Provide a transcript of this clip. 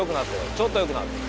ちょっとよくなってる。